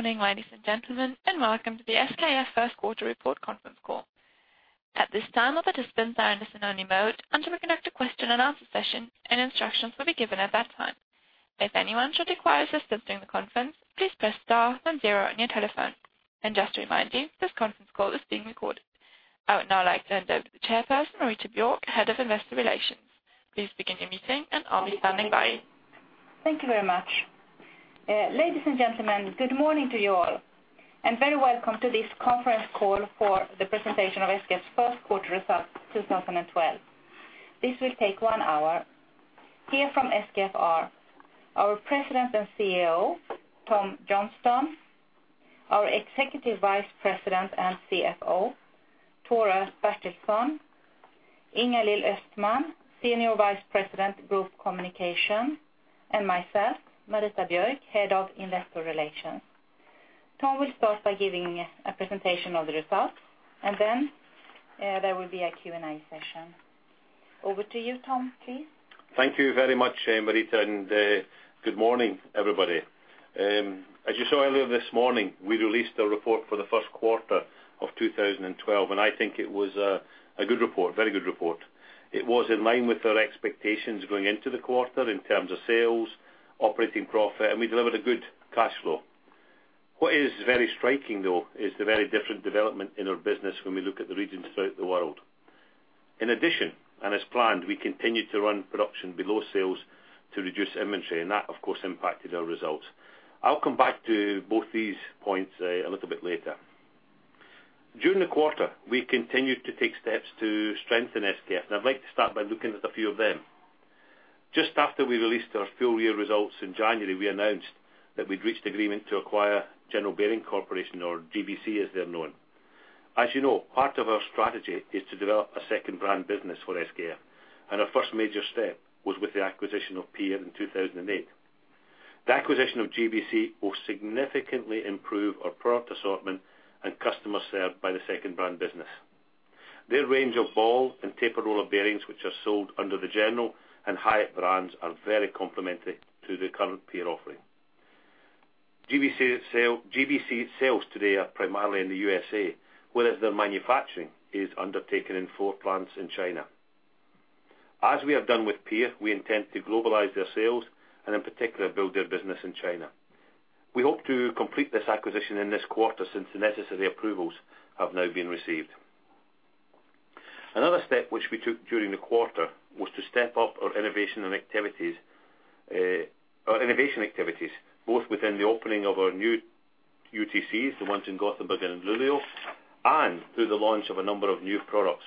Morning, ladies and gentlemen, and welcome to the SKF first quarter report conference call. At this time, all participants are in listen-only mode until we conduct a question-and-answer session, and instructions will be given at that time. If anyone should require assistance during the conference, please press star then zero on your telephone. Just to remind you, this conference call is being recorded. I would now like to hand over to the Chairperson, Marita Björk, Head of Investor Relations. Please begin your meeting, and I'll be standing by. Thank you very much. Ladies and gentlemen, good morning to you all, and very welcome to this conference call for the presentation of SKF's first quarter results, 2012. This will take one hour. Here from SKF are our President and CEO, Tom Johnstone; our Executive Vice President and CFO, Tore Bertilsson; Ingalill Östman, Senior Vice President, Group Communications; and myself, Marita Björk, Head of Investor Relations. Tom will start by giving us a presentation of the results, and then there will be a Q&A session. Over to you, Tom, please. Thank you very much, Marita, and good morning, everybody. As you saw earlier this morning, we released a report for the first quarter of 2012, and I think it was a good report, very good report. It was in line with our expectations going into the quarter in terms of sales, operating profit, and we delivered a good cash flow. What is very striking, though, is the very different development in our business when we look at the regions throughout the world. In addition, and as planned, we continued to run production below sales to reduce inventory, and that, of course, impacted our results. I'll come back to both these points a little bit later. During the quarter, we continued to take steps to strengthen SKF, and I'd like to start by looking at a few of them. Just after we released our full year results in January, we announced that we'd reached agreement to acquire General Bearing Corporation, or GBC, as they're known. As you know, part of our strategy is to develop a second-brand business for SKF, and our first major step was with the acquisition of PEER in 2008. The acquisition of GBC will significantly improve our product assortment and customers served by the second-brand business. Their range of ball and tapered roller bearings, which are sold under the General and Hyatt brands, are very complementary to the current PEER offering. GBC sales today are primarily in the USA, whereas their manufacturing is undertaken in four plants in China. As we have done with PEER, we intend to globalize their sales and, in particular, build their business in China. We hope to complete this acquisition in this quarter, since the necessary approvals have now been received. Another step which we took during the quarter was to step up our innovation and activities, our innovation activities, both within the opening of our new UTCs, the ones in Gothenburg and Luleå, and through the launch of a number of new products.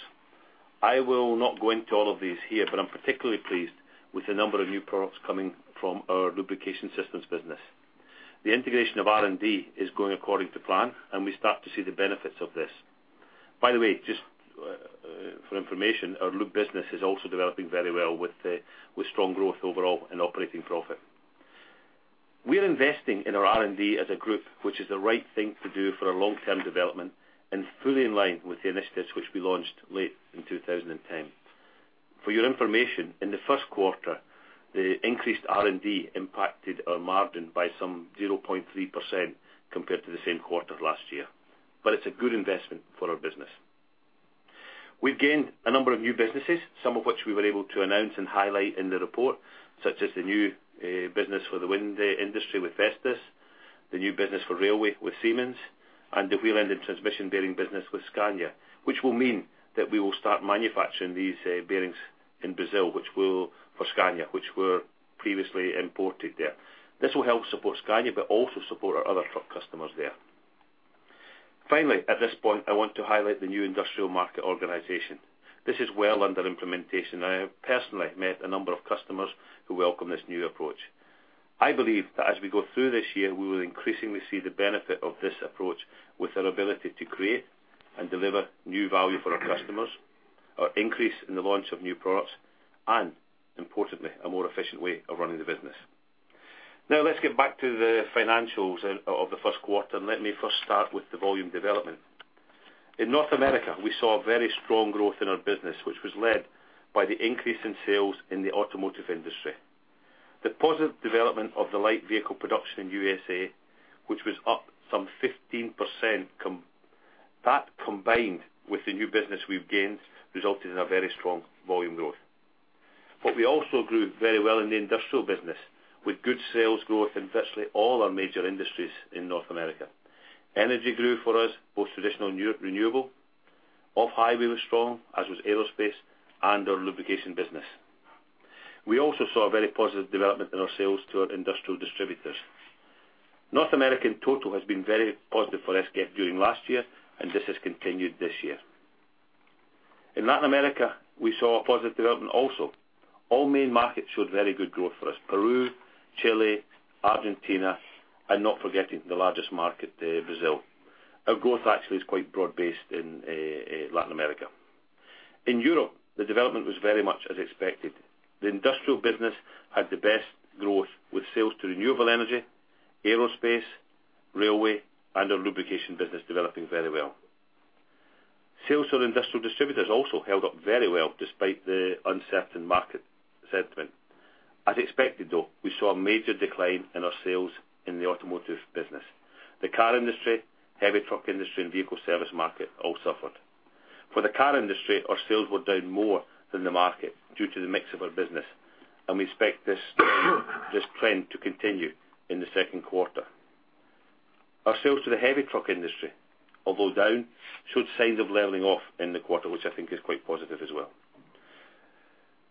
I will not go into all of these here, but I'm particularly pleased with the number of new products coming from our lubrication systems business. The integration of R&D is going according to plan, and we start to see the benefits of this. By the way, just, for information, our lube business is also developing very well with strong growth overall and operating profit. We are investing in our R&D as a group, which is the right thing to do for our long-term development and fully in line with the initiatives which we launched late in 2010. For your information, in the first quarter, the increased R&D impacted our margin by some 0.3% compared to the same quarter last year, but it's a good investment for our business. We've gained a number of new businesses, some of which we were able to announce and highlight in the report, such as the new business for the wind industry with Vestas, the new business for railway with Siemens, and the wheel end and transmission bearing business with Scania, which will mean that we will start manufacturing these bearings in Brazil, which will for Scania, which were previously imported there. This will help support Scania, but also support our other truck customers there. Finally, at this point, I want to highlight the new industrial market organization. This is well under implementation. I have personally met a number of customers who welcome this new approach. I believe that as we go through this year, we will increasingly see the benefit of this approach with our ability to create and deliver new value for our customers, our increase in the launch of new products, and importantly, a more efficient way of running the business. Now, let's get back to the financials of the first quarter, and let me first start with the volume development. In North America, we saw a very strong growth in our business, which was led by the increase in sales in the automotive industry. The positive development of the light vehicle production in USA, which was up some 15% that, combined with the new business we've gained, resulted in a very strong volume growth. But we also grew very well in the industrial business, with good sales growth in virtually all our major industries in North America. Energy grew for us, both traditional and new renewable. Off-highway was strong, as was aerospace and our lubrication business. We also saw a very positive development in our sales to our industrial distributors. North America in total has been very positive for SKF during last year, and this has continued this year. In Latin America, we saw a positive development also. All main markets showed very good growth for us, Peru, Chile, Argentina, and not forgetting the largest market, Brazil. Our growth actually is quite broad-based in, in Latin America. In Europe, the development was very much as expected. The industrial business had the best growth, with sales to renewable energy, aerospace, railway, and our lubrication business developing very well.... Sales to our industrial distributors also held up very well, despite the uncertain market sentiment. As expected, though, we saw a major decline in our sales in the automotive business. The car industry, heavy truck industry, and vehicle service market all suffered. For the car industry, our sales were down more than the market due to the mix of our business, and we expect this trend to continue in the second quarter. Our sales to the heavy truck industry, although down, showed signs of leveling off in the quarter, which I think is quite positive as well.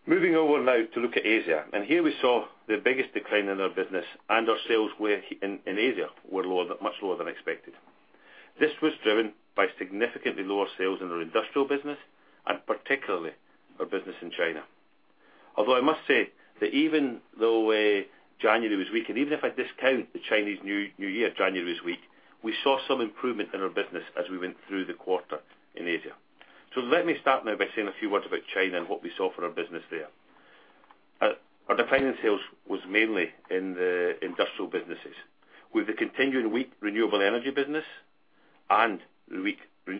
Moving over now to look at Asia, and here we saw the biggest decline in our business, and our sales were in Asia were lower, much lower than expected. This was driven by significantly lower sales in our industrial business and particularly our business in China. Although I must say that even though January was weak, and even if I discount the Chinese New Year, January was weak, we saw some improvement in our business as we went through the quarter in Asia. So let me start now by saying a few words about China and what we saw for our business there. Our decline in sales was mainly in the industrial businesses, with the continuing weak renewable energy business and weak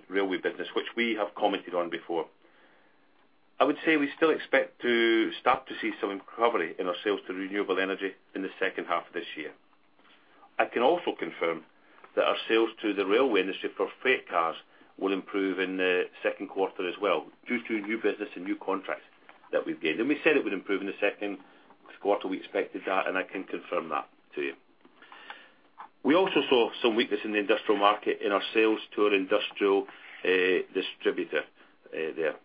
railway business, which we have commented on before. I would say we still expect to start to see some recovery in our sales to renewable energy in the second half of this year. I can also confirm that our sales to the railway industry for freight cars will improve in the second quarter as well, due to new business and new contracts that we've gained. We said it would improve in the second quarter. We expected that, and I can confirm that to you. We also saw some weakness in the industrial market in our sales to our industrial distributor there.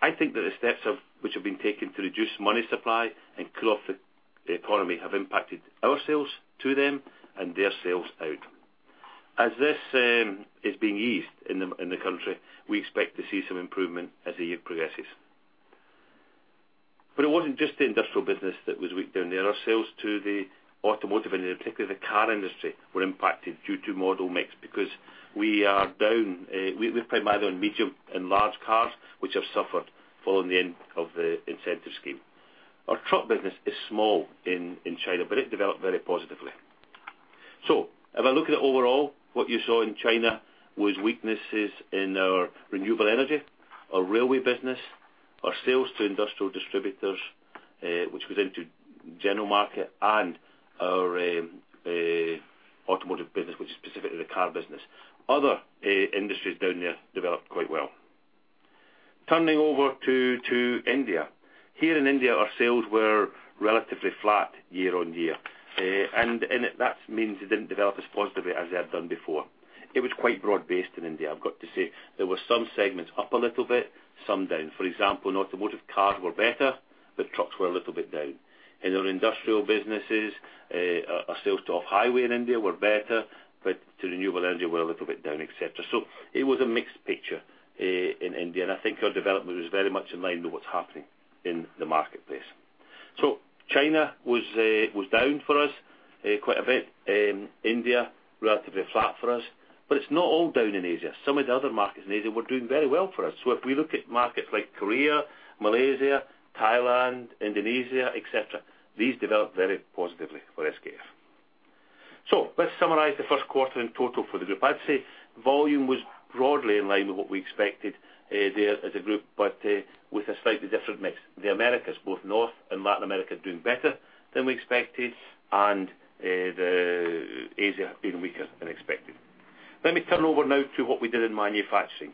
I think that the steps which have been taken to reduce money supply and cool off the economy have impacted our sales to them and their sales out. As this is being eased in the country, we expect to see some improvement as the year progresses. But it wasn't just the industrial business that was weak down there. Our sales to the automotive, and in particular, the car industry, were impacted due to model mix, because we are down. We primarily on medium and large cars, which have suffered following the end of the incentive scheme. Our truck business is small in China, but it developed very positively. So if I look at it overall, what you saw in China was weaknesses in our renewable energy, our railway business, our sales to industrial distributors, which was into general market and our automotive business, which is specifically the car business. Other industries down there developed quite well. Turning over to India. Here in India, our sales were relatively flat year-over-year. And that means they didn't develop as positively as they have done before. It was quite broad-based in India, I've got to say. There were some segments up a little bit, some down. For example, in automotive, cars were better, but trucks were a little bit down. In our industrial businesses, our sales to Off-highway in India were better, but to renewable energy were a little bit down, etcetera. So it was a mixed picture in India, and I think our development was very much in line with what's happening in the marketplace. So China was down for us quite a bit. India, relatively flat for us, but it's not all down in Asia. Some of the other markets in Asia were doing very well for us. So if we look at markets like Korea, Malaysia, Thailand, Indonesia, etcetera, these developed very positively for SKF. So let's summarize the first quarter in total for the group. I'd say volume was broadly in line with what we expected there as a group, but with a slightly different mix. The Americas, both North and Latin America, doing better than we expected, and the Asia being weaker than expected. Let me turn over now to what we did in manufacturing.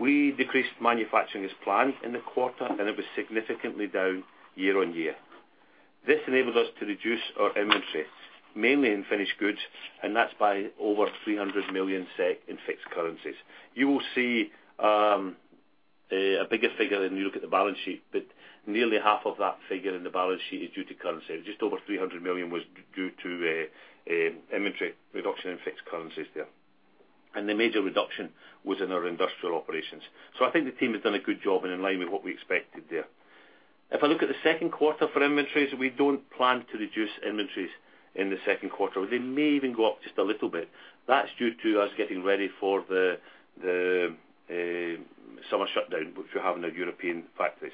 We decreased manufacturing as planned in the quarter, and it was significantly down year-over-year. This enabled us to reduce our inventory, mainly in finished goods, and that's by over 300 million SEK in fixed currencies. You will see a bigger figure when you look at the balance sheet, but nearly half of that figure in the balance sheet is due to currency. Just over 300 million was due to inventory reduction in fixed currencies there. The major reduction was in our industrial operations. So I think the team has done a good job and in line with what we expected there. If I look at the second quarter for inventories, we don't plan to reduce inventories in the second quarter. They may even go up just a little bit. That's due to us getting ready for the summer shutdown, which we have in our European factories.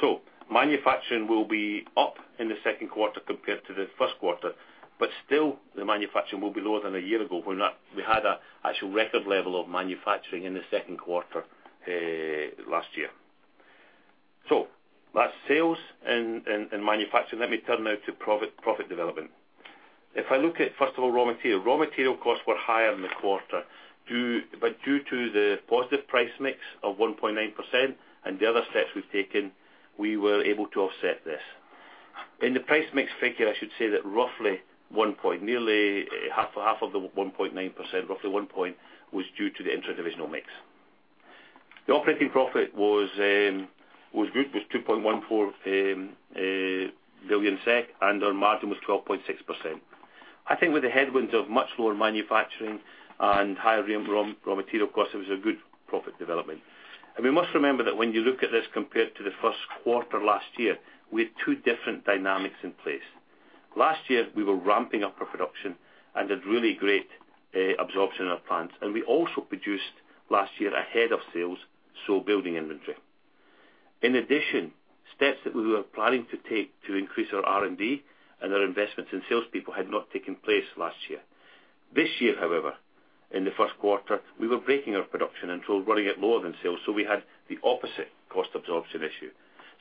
So manufacturing will be up in the second quarter compared to the first quarter, but still, the manufacturing will be lower than a year ago, when we had an actual record level of manufacturing in the second quarter last year. So that's sales and manufacturing. Let me turn now to profit development. If I look at, first of all, raw material. Raw material costs were higher in the quarter, due, but due to the positive price mix of 1.9% and the other steps we've taken, we were able to offset this. In the price mix figure, I should say that roughly one point, nearly, half, half of the 1.9%, roughly one point, was due to the interdivisional mix. The operating profit was, was good, was 2.14 billion SEK, and our margin was 12.6%. I think with the headwinds of much lower manufacturing and higher raw, raw material costs, it was a good profit development. And we must remember that when you look at this compared to the first quarter last year, we had two different dynamics in place. Last year, we were ramping up our production and had really great absorption in our plants, and we also produced last year ahead of sales, so building inventory.... In addition, steps that we were planning to take to increase our R&D and our investments in salespeople had not taken place last year. This year, however, in the first quarter, we were breaking our production and so running it lower than sales, so we had the opposite cost absorption issue.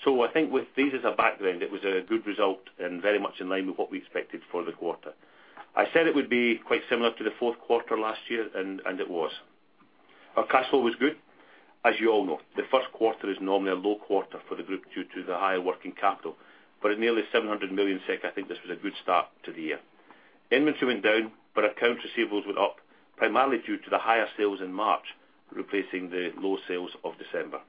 So I think with this as a background, it was a good result and very much in line with what we expected for the quarter. I said it would be quite similar to the fourth quarter last year, and, and it was. Our cash flow was good. As you all know, the first quarter is normally a low quarter for the group due to the higher working capital, but at nearly 700 million SEK, I think this was a good start to the year. Inventory went down, but our account receivables were up, primarily due to the higher sales in March, replacing the low sales of December.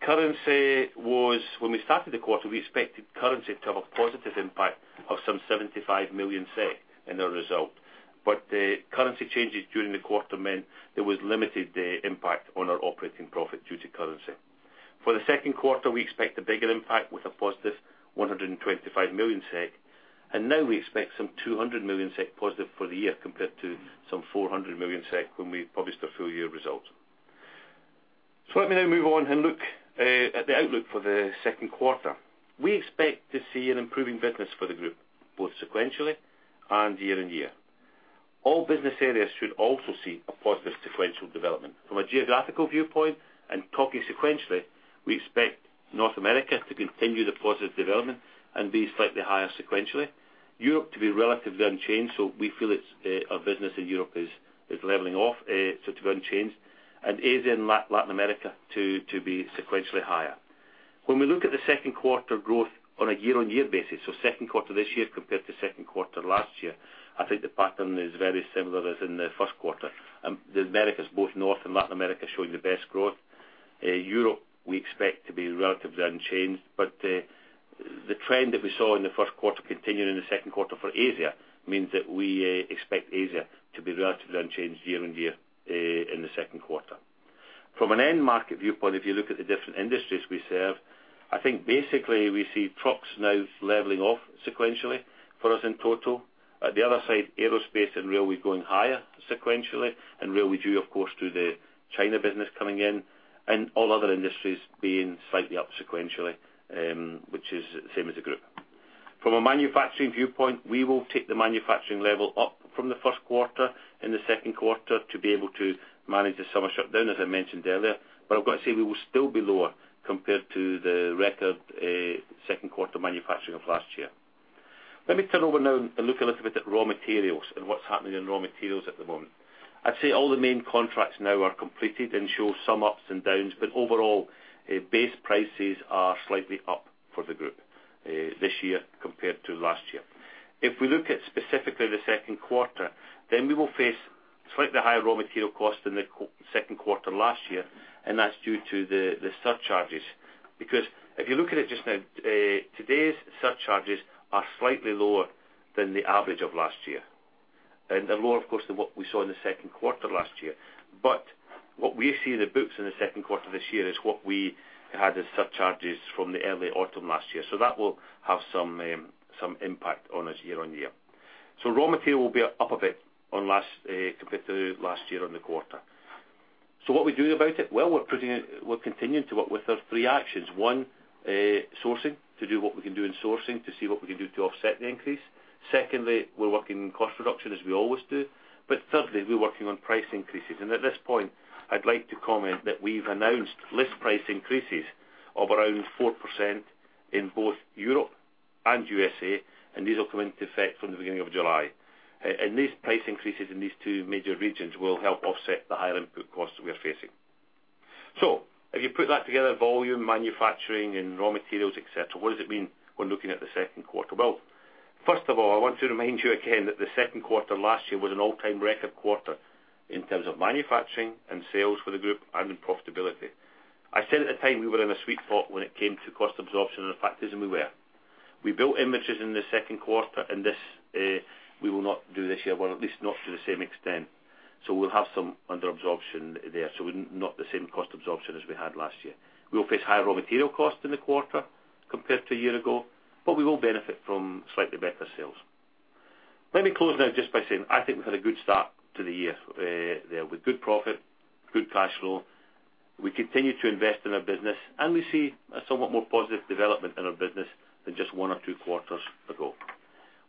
Currency was, when we started the quarter, we expected currency to have a positive impact of some 75 million in our result, but the currency changes during the quarter meant there was limited impact on our operating profit due to currency. For the second quarter, we expect a bigger impact with a positive 125 million SEK, and now we expect some 200 million SEK positive for the year, compared to some 400 million SEK when we published our full year results. So let me now move on and look at the outlook for the second quarter. We expect to see an improving business for the group, both sequentially and year-on-year. All business areas should also see a positive sequential development. From a geographical viewpoint and talking sequentially, we expect North America to continue the positive development and be slightly higher sequentially, Europe to be relatively unchanged, so we feel it's our business in Europe is leveling off, so it's unchanged, and Asia and Latin America to be sequentially higher. When we look at the second quarter growth on a year-on-year basis, so second quarter this year compared to second quarter last year, I think the pattern is very similar as in the first quarter. The Americas, both North and Latin America, showing the best growth. Europe, we expect to be relatively unchanged, but the trend that we saw in the first quarter continuing in the second quarter for Asia means that we expect Asia to be relatively unchanged year-on-year in the second quarter. From an end market viewpoint, if you look at the different industries we serve, I think basically we see trucks now leveling off sequentially for us in total. At the other side, aerospace and rail, we're going higher sequentially, and rail, we do, of course, through the China business coming in, and all other industries being slightly up sequentially, which is the same as the group. From a manufacturing viewpoint, we will take the manufacturing level up from the first quarter in the second quarter to be able to manage the summer shutdown, as I mentioned earlier. But I've got to say, we will still be lower compared to the record second quarter manufacturing of last year. Let me turn over now and look a little bit at raw materials and what's happening in raw materials at the moment. I'd say all the main contracts now are completed and show some ups and downs, but overall, base prices are slightly up for the group this year compared to last year. If we look at specifically the second quarter, then we will face slightly higher raw material costs than the second quarter last year, and that's due to the surcharges. Because if you look at it just now, today's surcharges are slightly lower than the average of last year, and they're lower, of course, than what we saw in the second quarter last year. But what we see in the books in the second quarter this year is what we had as surcharges from the early autumn last year. So that will have some, some impact on us year-on-year. So raw material will be up a bit on last, compared to last year on the quarter. So what we doing about it? Well, we're continuing to work with our three actions. One, sourcing, to do what we can do in sourcing, to see what we can do to offset the increase. Secondly, we're working on cost reduction, as we always do. But thirdly, we're working on price increases. And at this point, I'd like to comment that we've announced list price increases of around 4% in both Europe and USA, and these will come into effect from the beginning of July. And these price increases in these two major regions will help offset the higher input costs we are facing. So if you put that together, volume, manufacturing, and raw materials, etcetera, what does it mean when looking at the second quarter? Well, first of all, I want to remind you again that the second quarter last year was an all-time record quarter in terms of manufacturing and sales for the group and in profitability. I said at the time, we were in a sweet spot when it came to cost absorption and effectiveness, and we were. We built inventories in the second quarter, and this, we will not do this year, well, at least not to the same extent. So we'll have some under absorption there, so not the same cost absorption as we had last year. We will face higher raw material costs in the quarter compared to a year ago, but we will benefit from slightly better sales. Let me close now just by saying I think we've had a good start to the year, with good profit, good cash flow. We continue to invest in our business, and we see a somewhat more positive development in our business than just one or two quarters ago.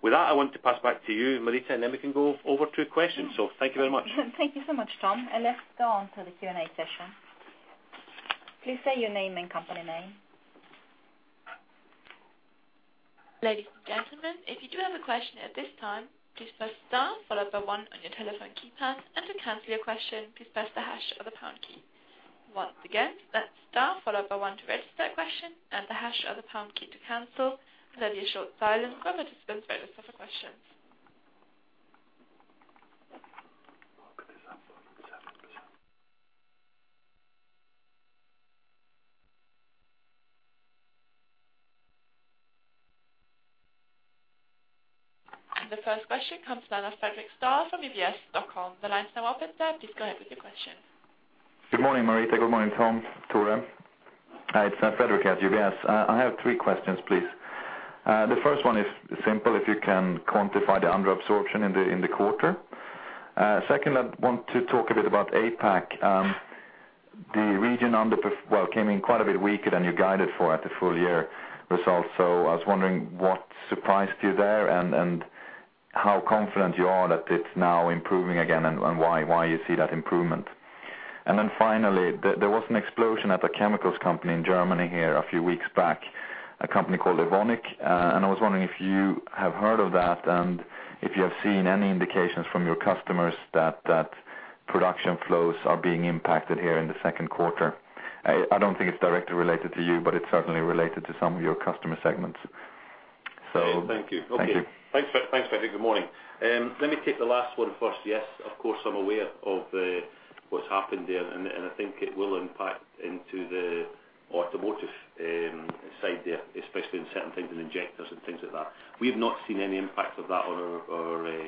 With that, I want to pass back to you, Marita, and then we can go over to questions. Thank you very much. Thank you so much, Tom. Let's go on to the Q&A session. Please say your name and company name. Ladies and gentlemen, if you do have a question at this time, please press star followed by one on your telephone keypad, and to cancel your question, please press the hash or the pound key. Once again, that's star followed by one to register a question and the hash or the pound key to cancel. There'll be a short silence for participants register for questions. The first question comes from Fredric Stahl from UBS. The line is now open, sir. Please go ahead with your question. Good morning, Marita. Good morning, Tom, Tore. Hi, it's Fredric at UBS. I have three questions, please. The first one is simple: If you can quantify the under absorption in the quarter? Second, I want to talk a bit about APAC. The region came in quite a bit weaker than you guided for at the full year results. So I was wondering what surprised you there, and how confident you are that it's now improving again, and why you see that improvement? And then finally, there was an explosion at the chemicals company in Germany here a few weeks back, a company called Evonik. And I was wondering if you have heard of that, and if you have seen any indications from your customers that production flows are being impacted here in the second quarter. I don't think it's directly related to you, but it's certainly related to some of your customer segments. So- Thank you. Thank you. Okay. Thanks for, thanks, Fredric. Good morning. Let me take the last one first. Yes, of course, I'm aware of the, what's happened there, and, and I think it will impact into the automotive, side there, especially in certain things, in injectors and things like that. We've not seen any impact of that on our, our,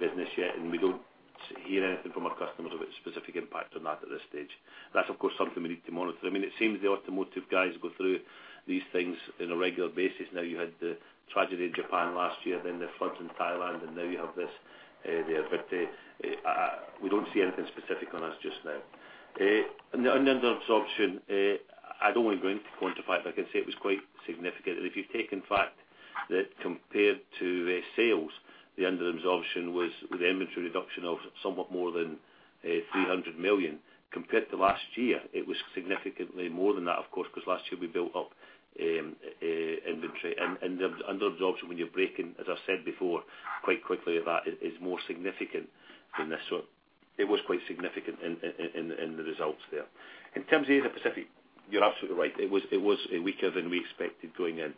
business yet, and we don't hear anything from our customers about specific impact on that at this stage. That's, of course, something we need to monitor. I mean, it seems the automotive guys go through these things on a regular basis now. You had the tragedy in Japan last year, then the floods in Thailand, and now you have this, there. But, we don't see anything specific on us just now. And the under absorption, I'd only go in to quantify it, but I can say it was quite significant. If you take in fact that compared to sales, the under absorption was with inventory reduction of somewhat more than 300 million. Compared to last year, it was significantly more than that, of course, because last year we built up inventory. And the under absorption, when you break in, as I said before, quite quickly, that is more significant than this sort. It was quite significant in the results there. In terms of Asia Pacific, you're absolutely right. It was a weaker than we expected going in.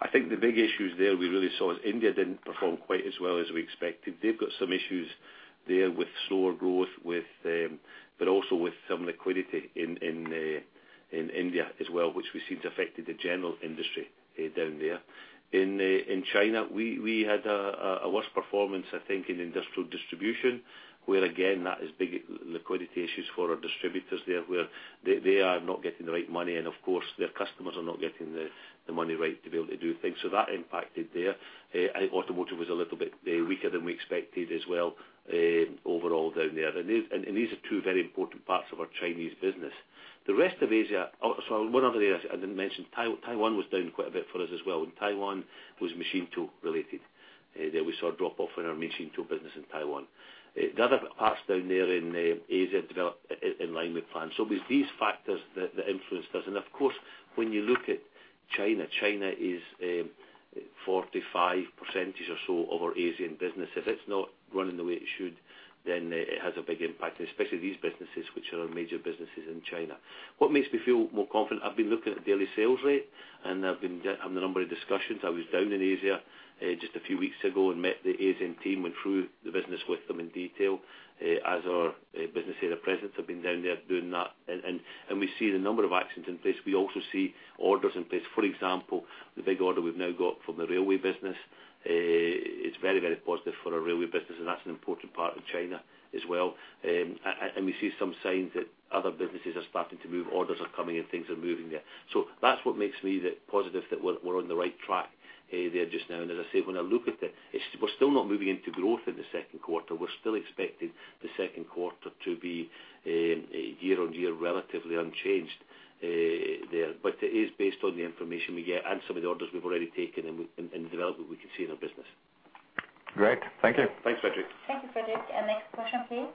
I think the big issues there we really saw is India didn't perform quite as well as we expected. They've got some issues there with slower growth, with But also with some liquidity in India as well, which we see it's affected the general industry down there. In China, we had a worse performance, I think, in industrial distribution, where again, that is big liquidity issues for our distributors there, where they are not getting the right money, and of course, their customers are not getting the money right to be able to do things. So that impacted there. I think automotive was a little bit weaker than we expected as well, overall down there. And these are two very important parts of our Chinese business. The rest of Asia. So one other area I didn't mention, Taiwan was down quite a bit for us as well, and Taiwan was machine tool related. There we saw a drop off in our machine tool business in Taiwan. The other parts down there in Asia developed in line with plans. So it was these factors that influenced us. And of course, when you look at China, China is 45% or so of our Asian business. If it's not running the way it should, then it has a big impact, especially these businesses, which are our major businesses in China. What makes me feel more confident? I've been looking at the daily sales rate, and I've been having a number of discussions. I was down in Asia just a few weeks ago and met the Asian team, went through the business with them in detail, as our business unit presence. I've been down there doing that, and we see the number of actions in place. We also see orders in place. For example, the big order we've now got from the railway business, it's very, very positive for our railway business, and that's an important part of China as well. And we see some signs that other businesses are starting to move, orders are coming in, things are moving there. So that's what makes me the positive, that we're, we're on the right track, there just now. And as I said, when I look at the -- we're still not moving into growth in the second quarter. We're still expecting the second quarter to be, year on year, relatively unchanged, there. It is based on the information we get and some of the orders we've already taken and the development we can see in our business. Great. Thank you. Thanks, Fredric. Thank you, Fredric. Next question, please.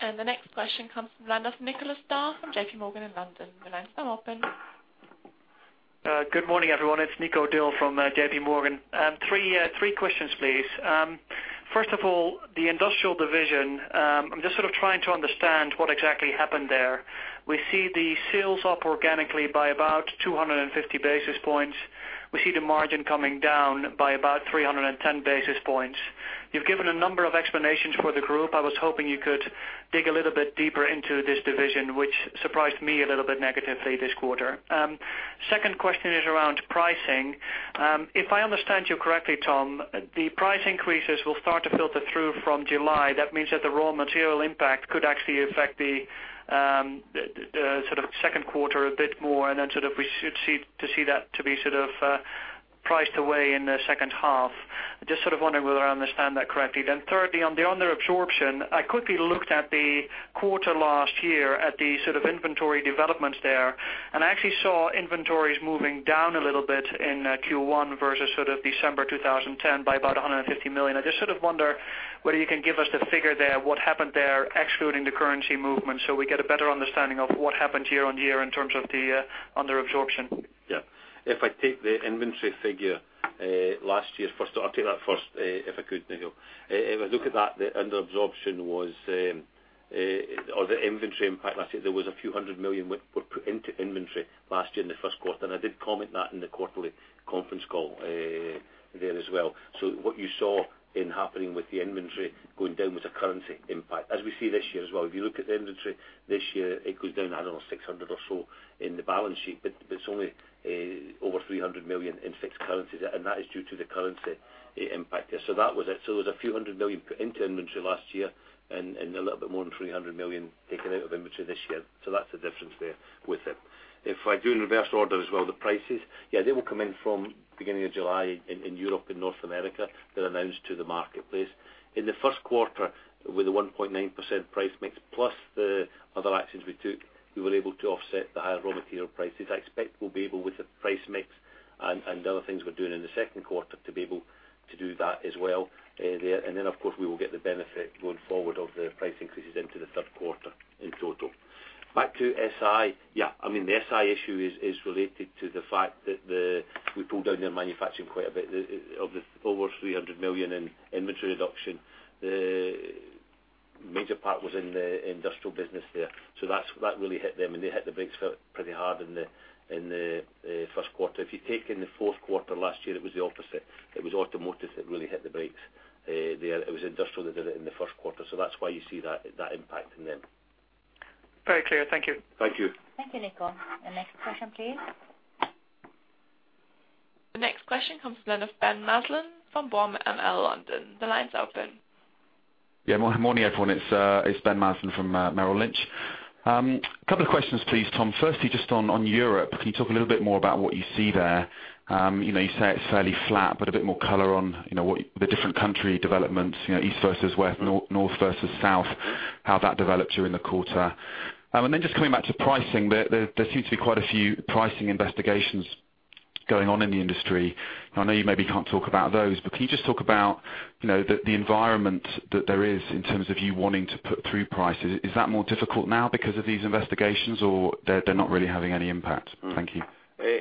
The next question comes from Nicholas Dill from JPMorgan in London. The lines are open. Good morning, everyone. It's Nicholas Dill from JPMorgan. Three questions, please. First of all, the industrial division. I'm just sort of trying to understand what exactly happened there. We see the sales up organically by about 250 basis points. We see the margin coming down by about 310 basis points. You've given a number of explanations for the group. I was hoping you could dig a little bit deeper into this division, which surprised me a little bit negatively this quarter. Second question is around pricing. If I understand you correctly, Tom, the price increases will start to filter through from July. That means that the raw material impact could actually affect the, the sort of second quarter a bit more, and then sort of we should see that to be sort of priced away in the second half. Just sort of wondering whether I understand that correctly. Then thirdly, on the under absorption, I quickly looked at the quarter last year at the sort of inventory developments there, and I actually saw inventories moving down a little bit in Q1 versus sort of December 2010 by about 150 million. I just sort of wonder whether you can give us the figure there, what happened there, excluding the currency movement, so we get a better understanding of what happened year-on-year in terms of the under absorption. Yeah. If I take the inventory figure, last year, first, I'll take that first, if I could, Nico. If I look at that, the under absorption was, or the inventory impact, like I said, there was SEK a few hundred million were put into inventory last year in the first quarter, and I did comment that in the quarterly conference call, there as well. So what you saw happening with the inventory going down was a currency impact, as we see this year as well. If you look at the inventory this year, it goes down, I don't know, 600 or so in the balance sheet, but it's only, over 300 million in fixed currency, and that is due to the currency impact there. So that was it. So it was SEK a few hundred million put into inventory last year and a little bit more than 300 million taken out of inventory this year. So that's the difference there with it. If I do in reverse order as well, the prices, yeah, they will come in from beginning of July in Europe and North America. They're announced to the marketplace. In the first quarter, with a 1.9% price mix plus the other actions we took, we were able to offset the higher raw material prices. I expect we'll be able, with the price mix and the other things we're doing in the second quarter, to be able to do that as well, there. And then, of course, we will get the benefit going forward of the price increases into the third quarter in total. Back to SI, yeah, I mean, the SI issue is related to the fact that we pulled down their manufacturing quite a bit. Of the over 300 million in inventory reduction, the major part was in the industrial business there. So that really hit them, and they hit the brakes pretty hard in the first quarter. If you take in the fourth quarter last year, it was the opposite. It was automotive that really hit the brakes there. It was industrial that did it in the first quarter. So that's why you see that impact in them. Very clear. Thank you. Thank you. Thank you, Nico. The next question, please. The next question comes from Ben Maslen from BAML London. The line's open. Yeah. Morning, everyone. It's Ben Maslen from Merrill Lynch. A couple of questions, please, Tom. Firstly, just on Europe, can you talk a little bit more about what you see there? You know, you say it's fairly flat, but a bit more color on what the different country developments, you know, east versus west, north versus south, how that developed during the quarter. And then just coming back to pricing, there seems to be quite a few pricing investigations going on in the industry. I know you maybe can't talk about those, but can you just talk about the environment that there is in terms of you wanting to put through prices? Is that more difficult now because of these investigations, or they're not really having any impact? Thank you.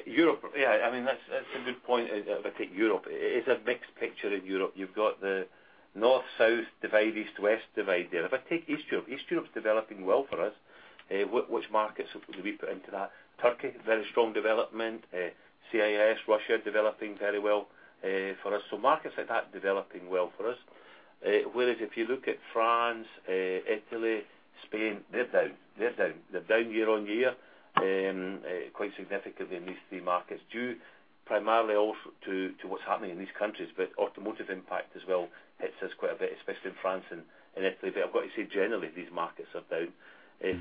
Europe. Yeah, I mean, that's a good point. If I take Europe, it's a mixed picture in Europe. You've got the north-south divide, east-west divide there. If I take East Europe, East Europe's developing well for us. Which markets do we put into that? Turkey, very strong development, CIS, Russia, developing very well, for us. So markets like that developing well for us. Whereas if you look at France, Italy, Spain, they're down. They're down. They're down year-on-year, quite significantly in these three markets, due primarily also to what's happening in these countries, but automotive impact as well hits us quite a bit, especially in France and Italy. But I've got to say, generally, these markets are down,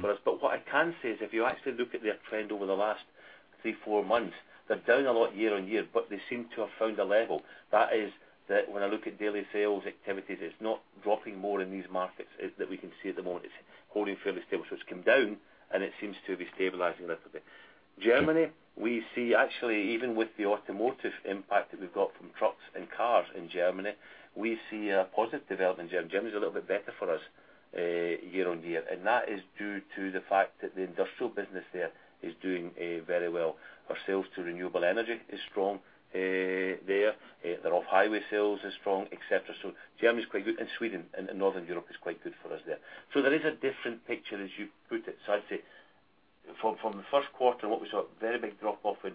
for us. But what I can say is, if you actually look at their trend over the last 3, 4 months, they're down a lot year-on-year, but they seem to have found a level. That is, that when I look at daily sales activities, it's not dropping more in these markets, is that we can see at the moment. It's holding fairly stable. So it's come down, and it seems to be stabilizing a little bit. Germany, we see actually, even with the automotive impact that we've got from trucks and cars in Germany, we see a positive development in Germany. Germany is a little bit better for us year-on-year, and that is due to the fact that the industrial business there is doing very well. Our sales to renewable energy is strong there. The off-highway sales is strong, et cetera. So Germany is quite good, and Sweden and Northern Europe is quite good for us there. So there is a different picture as you put it. So I'd say from the first quarter, what we saw a very big drop-off in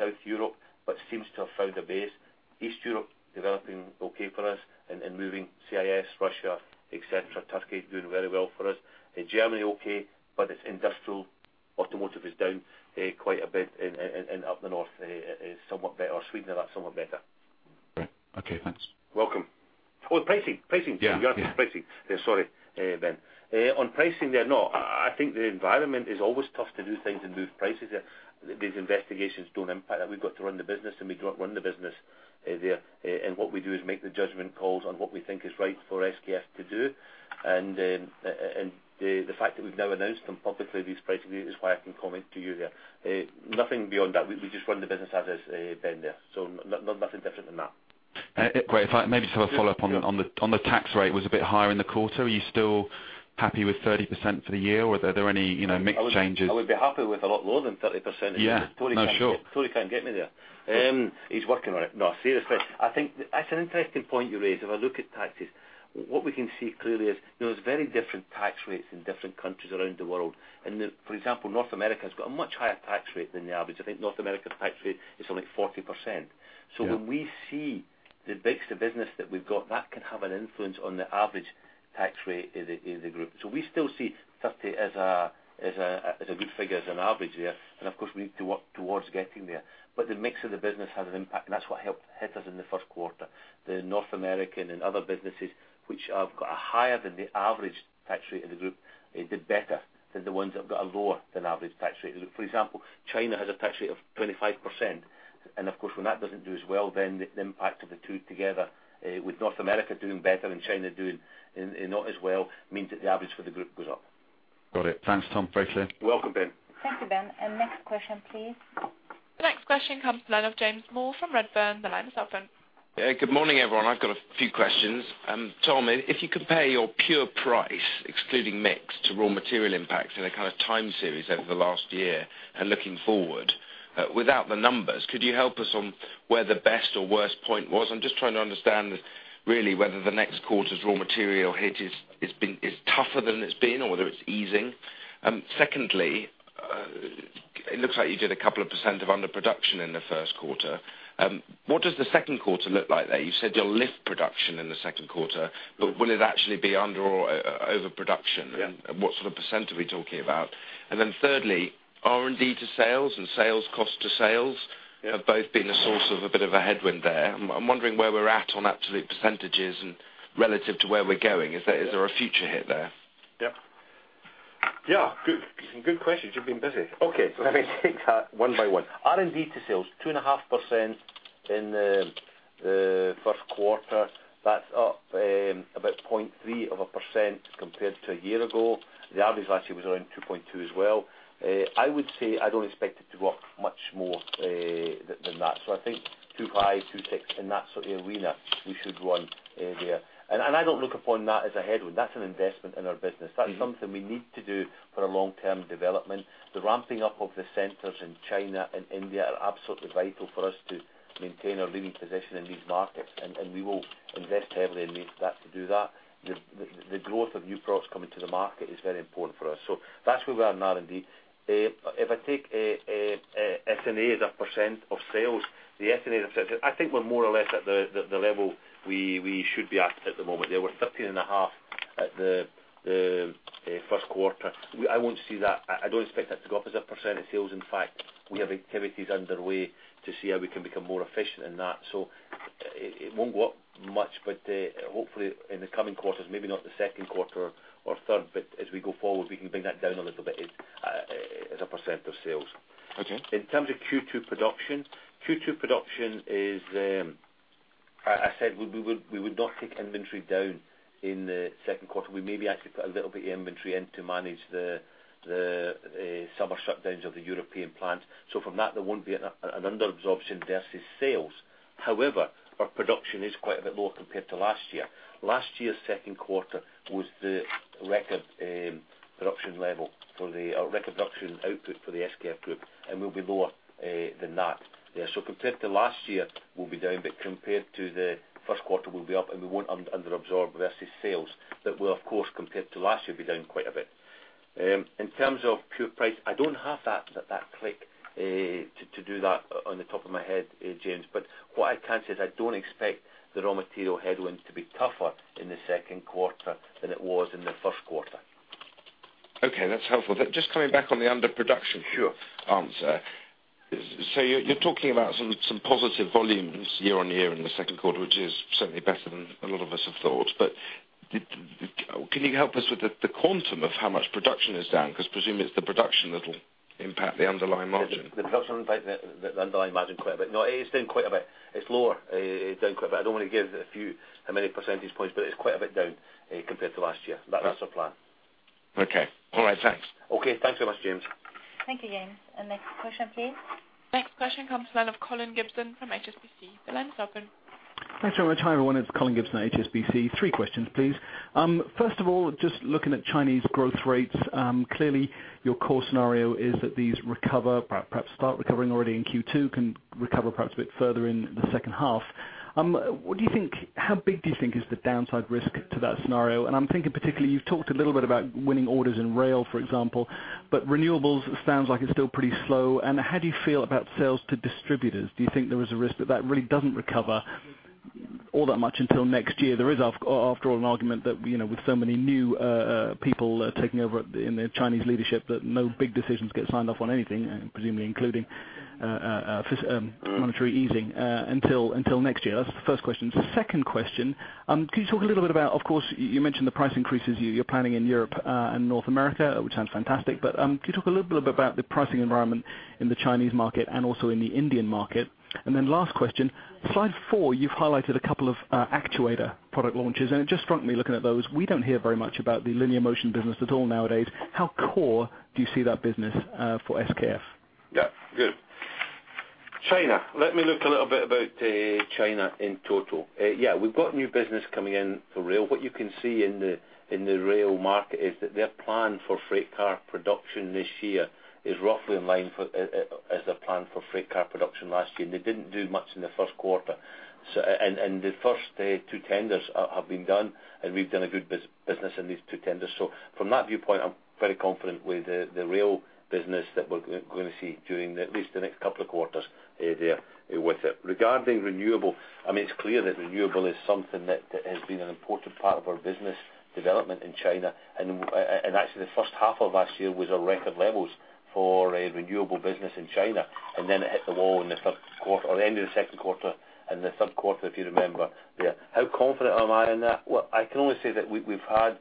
South Europe, but seems to have found a base. East Europe, developing okay for us and moving CIS, Russia, etcetera. Turkey is doing very well for us. In Germany, okay, but it's industrial. Automotive is down quite a bit, and up the north is somewhat better, or Sweden, a lot somewhat better. Great. Okay, thanks. Welcome. Oh, pricing. Pricing! Yeah. Pricing. Yeah, sorry, Ben. On pricing, yeah, no, I think the environment is always tough to do things and do prices. These investigations don't impact that. We've got to run the business, and we got to run the business, there. And what we do is make the judgment calls on what we think is right for SKF to do. And the fact that we've now announced them publicly, these prices, is why I can comment to you there. Nothing beyond that. We just run the business as is, Ben, there. So nothing different than that. Great. If I maybe just have a follow-up on the- Yeah. On the tax rate was a bit higher in the quarter. Are you still happy with 30% for the year, or are there any, you know, mix changes? I would be happy with a lot more than 30%. Yeah. No, sure. Tony can't get me there. He's working on it. No, seriously, I think that's an interesting point you raise. If I look at taxes, what we can see clearly is, there's very different tax rates in different countries around the world. And the, for example, North America has got a much higher tax rate than the average. I think North America's tax rate is only 40%. Yeah. So when we see the mix of business that we've got, that can have an influence on the average tax rate in the, in the group. So we still see 30% as a, as a, as a good figure, as an average there, and of course, we need to work towards getting there. But the mix of the business has an impact, and that's what helped hit us in the first quarter. The North American and other businesses, which have got a higher than the average tax rate of the group, they did better than the ones that have got a lower than average tax rate. For example, China has a tax rate of 25%, and of course, when that doesn't do as well, then the impact of the two together, with North America doing better and China doing, not as well, means that the average for the group goes up. Got it. Thanks, Tom. Very clear. You're welcome, Ben. Thank you, Ben. Next question, please. The next question comes from the line of James Moore from Redburn. The line is open. Good morning, everyone. I've got a few questions. Tom, if you compare your pure price, excluding mix, to raw material impacts in a kind of time series over the last year and looking forward, without the numbers, could you help us on where the best or worst point was? I'm just trying to understand really whether the next quarter's raw material hit is tougher than it's been or whether it's easing. Secondly, it looks like you did a couple of % of underproduction in the first quarter. What does the second quarter look like there? You've said you'll lift production in the second quarter, but will it actually be under or overproduction? Yeah. What sort of percent are we talking about? Then thirdly, R&D to sales and sales cost to sales- Yeah have both been a source of a bit of a headwind there. I'm wondering where we're at on absolute percentages and relative to where we're going. Is there, is there a future hit there? Yeah. Yeah, good, good questions. You've been busy. Okay, let me take that one by one. R&D to sales, 2.5% in the first quarter, that's up about 0.3% compared to a year ago. The average last year was around 2.2% as well. I would say I don't expect it to go up much more than that. So I think 2.2 in that sort of arena, we should run there. And I don't look upon that as a headwind. That's an investment in our business. That is something we need to do for our long-term development. The ramping up of the centers in China and India are absolutely vital for us to maintain our leading position in these markets, and we will invest heavily in that, to do that. The growth of new products coming to the market is very important for us, so that's where we are in R&D. If I take S&A as a % of sales, the S&A, I think we're more or less at the level we should be at the moment. They were 13.5 at the first quarter. We won't see that. I don't expect that to go up as a % of sales. In fact, we have activities underway to see how we can become more efficient in that. So it won't go up much, but hopefully in the coming quarters, maybe not the second quarter or third, but as we go forward, we can bring that down a little bit as a % of sales. Okay. In terms of Q2 production, Q2 production is. I said we would not take inventory down in the second quarter. We maybe actually put a little bit inventory in to manage the summer shutdowns of the European plant. So from that, there won't be an under absorption versus sales. However, our production is quite a bit lower compared to last year. Last year's second quarter was the record production level for the record production output for the SKF Group, and we'll be lower than that. Yeah, so compared to last year, we'll be down, but compared to the first quarter, we'll be up, and we won't under absorb versus sales. But we'll, of course, compared to last year, be down quite a bit. In terms of pure price, I don't have that off the top of my head, James, but what I can say is I don't expect the raw material headwinds to be tougher in the second quarter than it was in the first quarter. Okay, that's helpful. But just coming back on the underproduction- Sure. So you're talking about some positive volumes year-on-year in the second quarter, which is certainly better than a lot of us have thought. But can you help us with the quantum of how much production is down? Because presumably it's the production that'll impact the underlying margin. The production impacts the underlying margin quite a bit. No, it's down quite a bit. It's lower, it's down quite a bit. I don't want to give you how many percentage points, but it's quite a bit down compared to last year. That's our plan. Okay. All right, thanks. Okay. Thanks so much, James. Thank you, James. Next question, please. Next question comes from Colin Gibson from HSBC. The line is open. Thanks very much. Hi, everyone. It's Colin Gibson, HSBC. Three questions, please. First of all, just looking at Chinese growth rates, clearly, your core scenario is that these recover, perhaps start recovering already in Q2, can recover perhaps a bit further in the second half. What do you think? How big do you think is the downside risk to that scenario? And I'm thinking particularly, you've talked a little bit about winning orders in rail, for example, but renewables sounds like it's still pretty slow. And how do you feel about sales to distributors? Do you think there is a risk that that really doesn't recover all that much until next year? There is, after all, an argument that, you know, with so many new people taking over in the Chinese leadership, that no big decisions get signed off on anything, and presumably including monetary easing until next year. That's the first question. Second question, can you talk a little bit about... Of course, you mentioned the price increases you're planning in Europe and North America, which sounds fantastic, but can you talk a little bit about the pricing environment in the Chinese market and also in the Indian market? And then last question, slide four, you've highlighted a couple of actuator product launches, and it just struck me, looking at those, we don't hear very much about the linear motion business at all nowadays. How core do you see that business for SKF? Yeah, good. China. Let me look a little bit about China in total. Yeah, we've got new business coming in for rail. What you can see in the rail market is that their plan for freight car production this year is roughly in line for as the plan for freight car production last year, and they didn't do much in the first quarter. So, and the first two tenders have been done, and we've done a good business in these two tenders. So from that viewpoint, I'm very confident with the rail business that we're gonna see during at least the next couple of quarters there with it. Regarding renewable, I mean, it's clear that renewable is something that has been an important part of our business development in China. Actually, the first half of last year was our record levels for a renewable business in China, and then it hit the wall in the third quarter, or the end of the second quarter and the third quarter, if you remember, yeah. How confident am I in that? Well, I can only say that we, we've had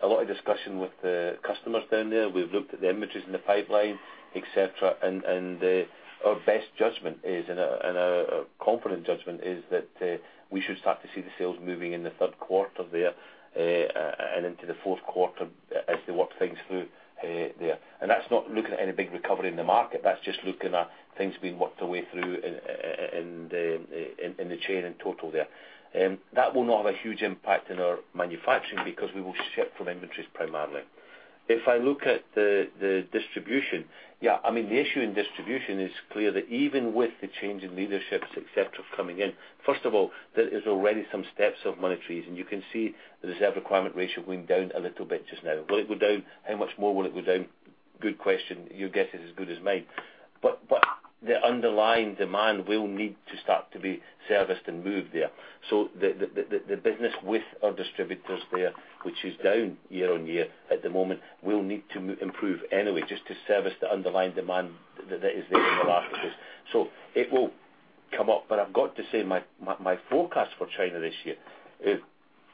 a lot of discussion with the customers down there. We've looked at the items in the pipeline, etcetera. And our best judgment is, and a confident judgment is that we should start to see the sales moving in the third quarter there, and into the fourth quarter as they work things through, there. That's not looking at any big recovery in the market, that's just looking at things being worked the way through in the chain in total there. That will not have a huge impact in our manufacturing because we will ship from inventories primarily. If I look at the distribution, yeah, I mean, the issue in distribution is clear that even with the change in leaderships, etcetera, coming in, first of all, there is already some steps of monetaries, and you can see the reserve requirement ratio going down a little bit just now. Will it go down? How much more will it go down? Good question. Your guess is as good as mine. But the underlying demand will need to start to be serviced and moved there. So the business with our distributors there, which is down year-on-year at the moment, will need to improve anyway, just to service the underlying demand that is there in the market. So it will come up, but I've got to say, my forecast for China this year,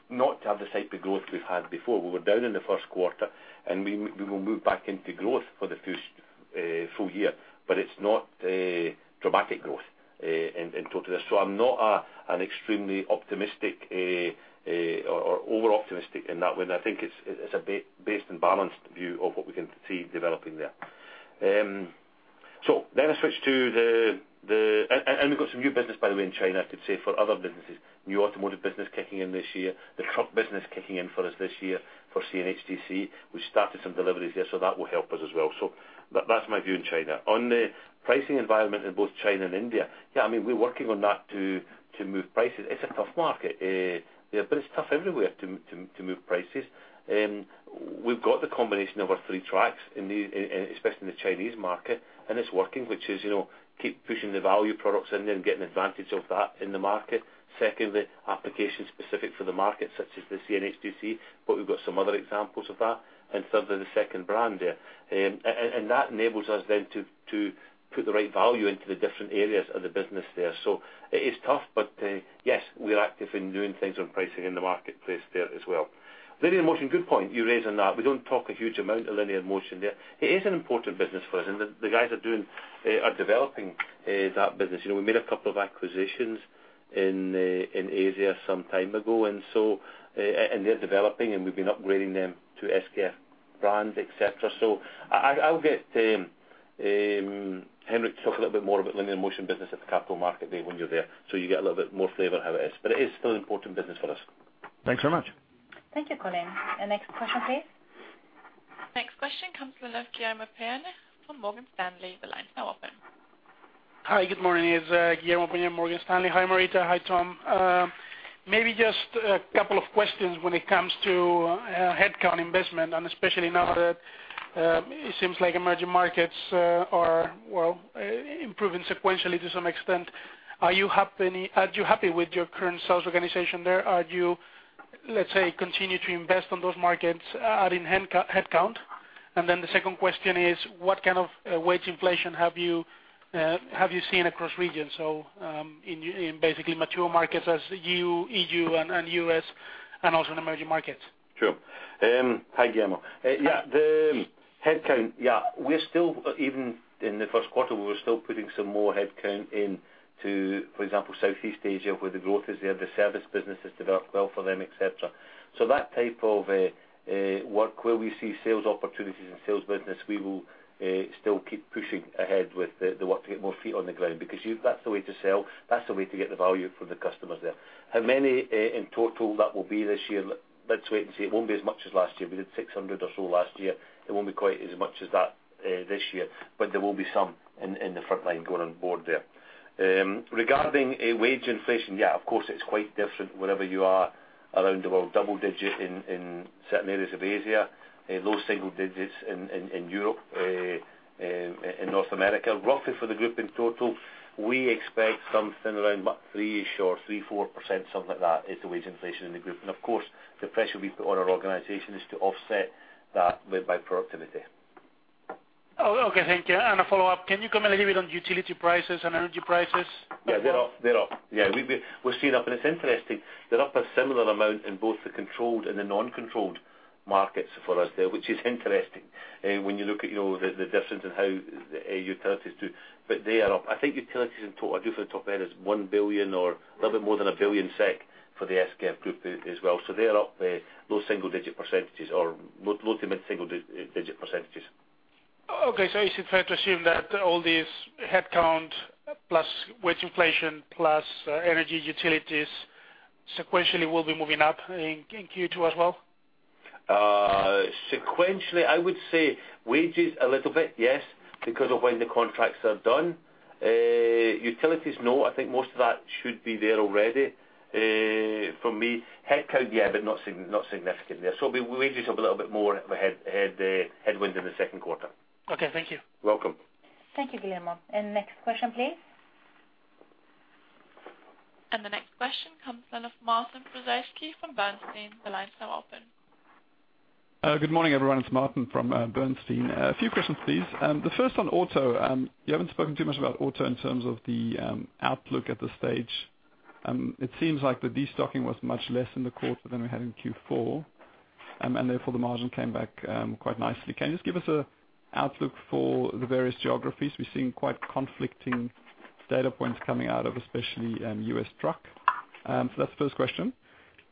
not to have the type of growth we've had before. We were down in the first quarter, and we will move back into growth for the first full year, but it's not a dramatic growth in total. So I'm not an extremely optimistic, or overoptimistic in that one. I think it's a based and balanced view of what we can see developing there. So let us switch to the and we've got some new business, by the way, in China, I could say, for other businesses. New automotive business kicking in this year, the truck business kicking in for us this year for CNHTC. We started some deliveries there, so that will help us as well. So but that's my view in China. On the pricing environment in both China and India, yeah, I mean, we're working on that to move prices. It's a tough market, yeah, but it's tough everywhere to move prices. We've got the combination of our three tracks in the especially in the Chinese market, and it's working, which is, you know, keep pushing the value products in there and getting advantage of that in the market. Secondly, application specific for the market, such as the CNHTC, but we've got some other examples of that, and thirdly, the second brand there. And that enables us then to put the right value into the different areas of the business there. So it is tough, but yes, we're active in doing things on pricing in the marketplace there as well. Linear motion, good point you raise on that. We don't talk a huge amount of linear motion there. It is an important business for us, and the guys are doing, are developing that business. You know, we made a couple of acquisitions in, in Asia some time ago, and so, and they're developing, and we've been upgrading them to SKF brands, etcetera. So I'll get Henrik to talk a little bit more about linear motion business at the capital market day when you're there, so you get a little bit more flavor how it is. But it is still important business for us. Thanks very much. Thank you, Colin. Our next question, please. Next question comes from the line of Guillermo Peigneux-Lojo from Morgan Stanley. The line is now open. Hi, good morning. It's Guillermo Peigneux-Lojo, Morgan Stanley. Hi, Marita. Hi, Tom. Maybe just a couple of questions when it comes to headcount investment, and especially now that it seems like emerging markets are improving sequentially to some extent. Are you happy with your current sales organization there? Are you, let's say, continue to invest on those markets, adding headcount? And then the second question is, what kind of wage inflation have you seen across regions? So, in basically mature markets as EU and U.S., and also in emerging markets. Sure. Hi, Guillermo. Yeah, the headcount, yeah, we're still, even in the first quarter, we're still putting some more headcount in to, for example, Southeast Asia, where the growth is there. The service business has developed well for them, etcetera. So that type of work, where we see sales opportunities and sales business, we will still keep pushing ahead with the work to get more feet on the ground, because you've, that's the way to sell, that's the way to get the value for the customers there. How many in total that will be this year? Let's wait and see. It won't be as much as last year. We did 600 or so last year. It won't be quite as much as that this year, but there will be some in the frontline going on board there. Regarding wage inflation, yeah, of course, it's quite different wherever you are around the world. Double digits in certain areas of Asia, low single digits in Europe, in North America. Roughly for the group in total, we expect something around about 3-ish or 3-4%, something like that, is the wage inflation in the group. And of course, the pressure we put on our organization is to offset that with by productivity. Oh, okay, thank you. And a follow-up, can you comment a little bit on utility prices and energy prices? Yeah, they're up. They're up. Yeah, we've been—we're seeing up, and it's interesting. They're up a similar amount in both the controlled and the non-controlled markets for us there, which is interesting, when you look at, you know, the, the difference in how utilities do. But they are up. I think utilities in total, I do feel the top end is 1 billion or a little bit more than 1 billion SEK for the SKF Group as well. So they are up there, low single-digit % or low- to mid-single-digit %. Okay, so is it fair to assume that all these headcount plus wage inflation, plus energy utilities sequentially will be moving up in Q2 as well? Sequentially, I would say wages a little bit, yes, because of when the contracts are done. Utilities, no, I think most of that should be there already. For me, headcount, yeah, but not significant there. So it'll be wages have a little bit more of a headwind in the second quarter. Okay, thank you. Welcome. Thank you, Guillermo. Next question, please. The next question comes in of Martin Prozesky from Bernstein. The line is now open. Good morning, everyone. It's Martin from Bernstein. A few questions, please. The first on auto. You haven't spoken too much about auto in terms of the outlook at this stage. It seems like the destocking was much less in the quarter than we had in Q4, and therefore, the margin came back quite nicely. Can you just give us a outlook for the various geographies? We've seen quite conflicting data points coming out of especially U.S. truck. So that's the first question.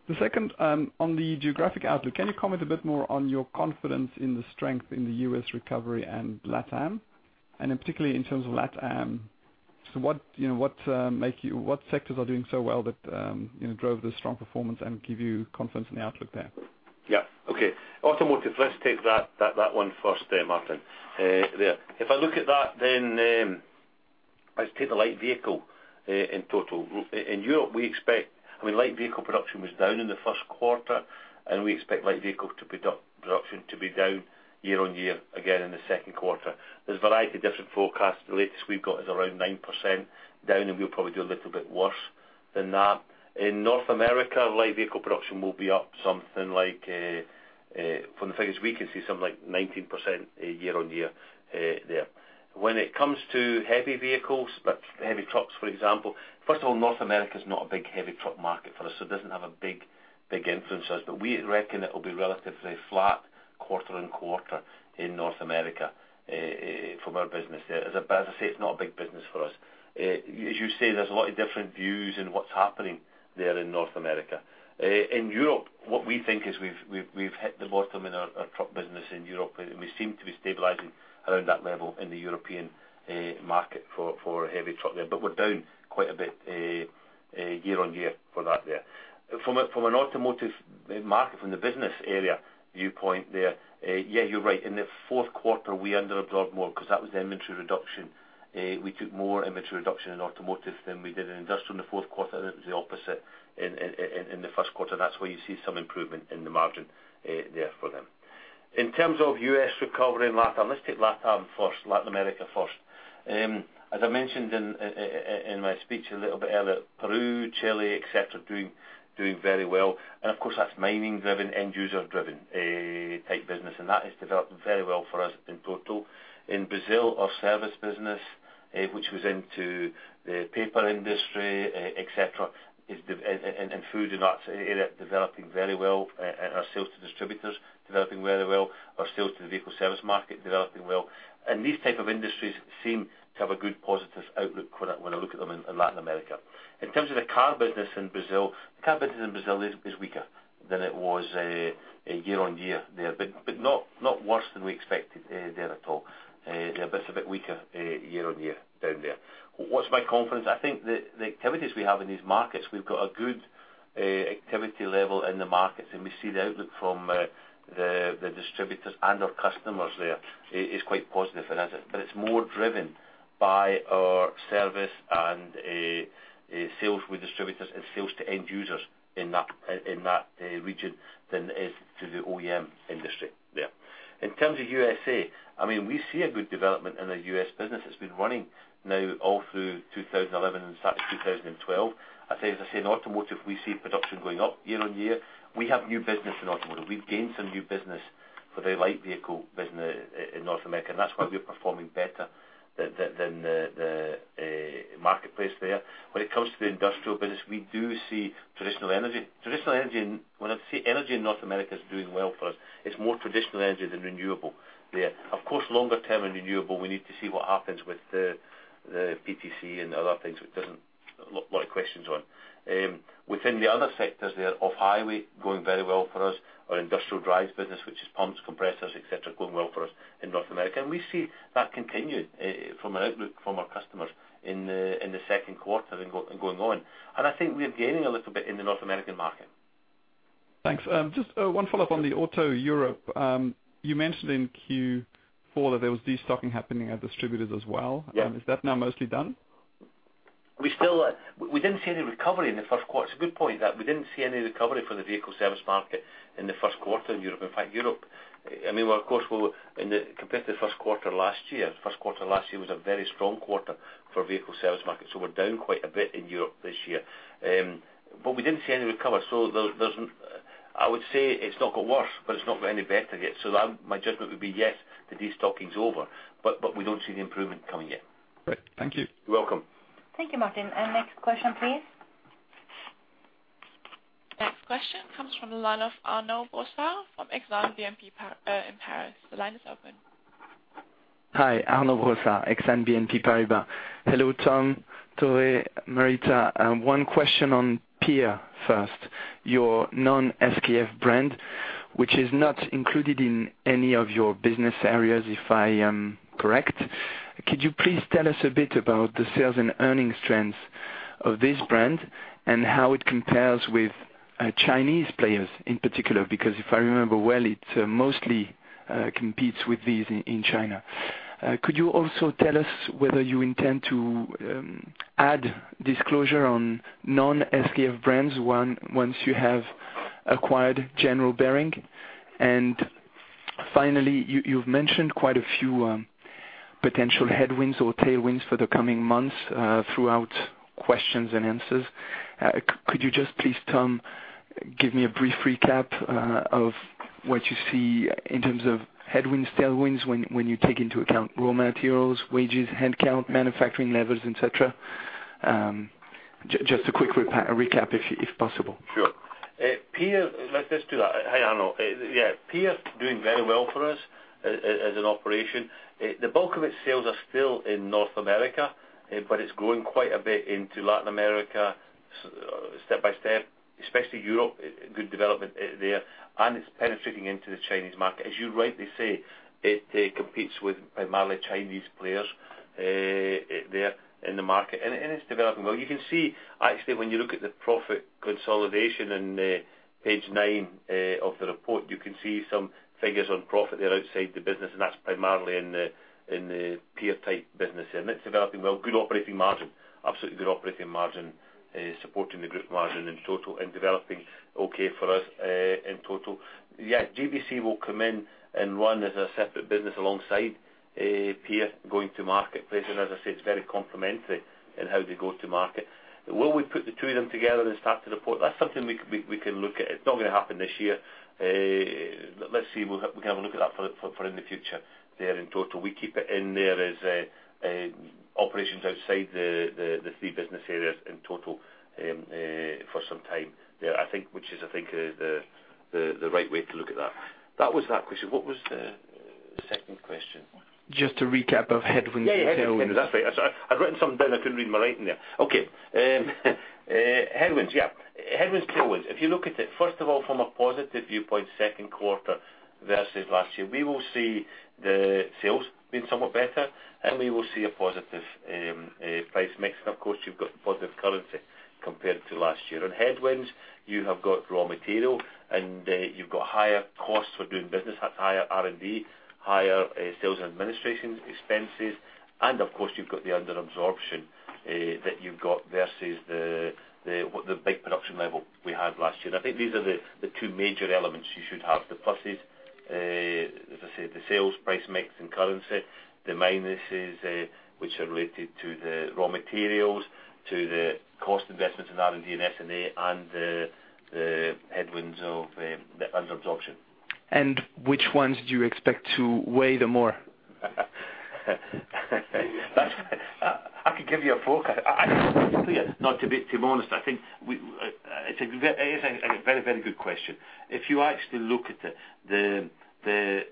The second on the geographic outlook, can you comment a bit more on your confidence in the strength in the U.S. recovery and LatAm? In particular in terms of LatAm, so what sectors are doing so well that, you know, drove the strong performance and give you confidence in the outlook there? Yeah. Okay. Automotive, let's take that one first, Martin. Yeah. If I look at that, then, let's take the light vehicle in total. In Europe, we expect... I mean, light vehicle production was down in the first quarter, and we expect light vehicle production to be down year-on-year, again in the second quarter. There's a variety of different forecasts. The latest we've got is around 9% down, and we'll probably do a little bit worse... than that. In North America, light vehicle production will be up something like, from the figures we can see, something like 19% year-on-year, there. When it comes to heavy vehicles, like heavy trucks, for example, first of all, North America is not a big heavy truck market for us, so it doesn't have a big, big influence on us. But we reckon it will be relatively flat quarter and quarter in North America, from our business there. As I say, it's not a big business for us. As you say, there's a lot of different views in what's happening there in North America. In Europe, what we think is we've hit the bottom in our truck business in Europe, and we seem to be stabilizing around that level in the European market for heavy truck there. But we're down quite a bit year-on-year for that there. From an automotive market, from the business area viewpoint there, yeah, you're right. In the fourth quarter, we under absorbed more 'cause that was the inventory reduction. We took more inventory reduction in automotive than we did in industrial in the fourth quarter, and it was the opposite in the first quarter. That's where you see some improvement in the margin there for them. In terms of U.S. recovery and LatAm, let's take LatAm first, Latin America first. As I mentioned in my speech a little bit earlier, Peru, Chile, etcetera, doing very well, and of course, that's mining-driven, end-user-driven type business, and that has developed very well for us in total. In Brazil, our service business, which was into the paper industry, etcetera, is developing and food in that area, developing very well, and our sales to distributors developing very well, our sales to the vehicle service market developing well. These type of industries seem to have a good, positive outlook for that when I look at them in Latin America. In terms of the car business in Brazil, the car business in Brazil is weaker than it was year-on-year there, but not worse than we expected there at all. But it's a bit weaker year-on-year down there. What's my confidence? I think the activities we have in these markets, we've got a good activity level in the markets, and we see the outlook from the distributors and our customers there is quite positive. But it's more driven by our service and sales with distributors and sales to end users in that region than it is to the OEM industry there. In terms of USA, I mean, we see a good development in the U.S. business. It's been running now all through 2011 and start of 2012. I'd say, as I say, in automotive, we see production going up year-on-year. We have new business in automotive. We've gained some new business for the light vehicle business in North America, and that's why we're performing better than the marketplace there. When it comes to the industrial business, we do see traditional energy. Traditional energy in... When I say energy in North America is doing well for us, it's more traditional energy than renewable there. Of course, longer term in renewable, we need to see what happens with the PTC and other things. It doesn't... A lot of questions on. Within the other sectors there, off-highway, going very well for us. Our industrial drives business, which is pumps, compressors, etcetera, going well for us in North America. And we see that continued, from an outlook from our customers in the second quarter and going on. And I think we're gaining a little bit in the North American market. Thanks. Just one follow-up on the Auto Europe. You mentioned in Q4 that there was destocking happening at distributors as well. Yeah. Is that now mostly done? We still. We didn't see any recovery in the first quarter. It's a good point, that. We didn't see any recovery for the vehicle service market in the first quarter in Europe. In fact, Europe, I mean, well, of course, compared to the first quarter last year, first quarter last year was a very strong quarter for vehicle service market, so we're down quite a bit in Europe this year. But we didn't see any recovery, so there's. I would say it's not got worse, but it's not got any better yet. So that, my judgment would be, yes, the destocking is over, but we don't see the improvement coming yet. Great. Thank you. You're welcome. Thank you, Martin. Next question, please. Next question comes from the line of Arnaud Brossard from Exane BNP Paribas, in Paris. The line is open. Hi, Arnaud Brossard, Exane BNP Paribas. Hello, Tom, Tore, Marita. One question on PEER first, your non-SKF brand, which is not included in any of your business areas, if I am correct. Could you please tell us a bit about the sales and earnings trends of this brand and how it compares with Chinese players in particular? Because if I remember well, it mostly competes with these in China. Could you also tell us whether you intend to add disclosure on non-SKF brands once you have acquired General Bearing? And finally, you've mentioned quite a few potential headwinds or tailwinds for the coming months throughout questions and answers. Could you just please, Tom, give me a brief recap of what you see in terms of headwinds, tailwinds, when you take into account raw materials, wages, headcount, manufacturing levels, et cetera? Just a quick recap, if possible. Sure. PEER, let's just do that. Hi, Arnaud. Yeah, PEER is doing very well for us as an operation. The bulk of its sales are still in North America, but it's growing quite a bit into Latin America, step by step, especially Europe, good development there, and it's penetrating into the Chinese market. As you rightly say, it competes with primarily Chinese players there in the market, and it's developing well. You can see, actually, when you look at the profit consolidation on page nine of the report, you can see some figures on profit there outside the business, and that's primarily in the PEER-type business, and it's developing well. Good operating margin. Absolutely good operating margin, supporting that margin in total and developing okay for us in total. Yeah, GBC will come in and run as a separate business alongside PEER going to market place. And as I say, it's very complementary in how they go to market. Will we put the two of them together and start to report? That's something we, we can look at. It's not gonna happen this year. Let's see, we'll have, we can have a look at that for in the future there in total. We keep it in there as a operations outside the three business areas in total for some time there, I think, which is, I think, the right way to look at that. That was that question. What was the second question? Just a recap of headwinds and tailwinds. Yeah, yeah. That's right. I, I'd written something down. I couldn't read my writing there. Okay. Headwinds, yeah. Headwinds, tailwinds. If you look at it, first of all, from a positive viewpoint, second quarter versus last year, we will see the sales being somewhat better, and we will see a positive price mix. And of course, you've got positive currency compared to last year. On headwinds, you have got raw material, and you've got higher costs for doing business, higher R&D, higher sales and administration expenses, and of course, you've got the underabsorption that you've got versus the big production level we had last year. I think these are the two major elements you should have. The pluses, as I said, the sales price mix and currency. The minuses, which are related to the raw materials, to the cost investments in R&D and S&A, and the headwinds of the underabsorption. Which ones do you expect to weigh the more? I could give you a forecast. I, not to be too honest, I think we—it's a very good question. If you actually look at it, the